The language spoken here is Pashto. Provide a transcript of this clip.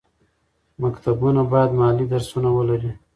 مکتبونه باید مالي درسونه ولري.